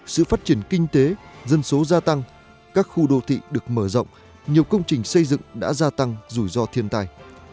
sự phát triển kinh tế dân số gia tăng các khu đô thị được mở rộng nhiều công trình xây dựng đã gia tăng rủi ro thiên tai